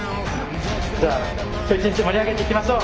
じゃあ今日１日盛り上げていきましょう！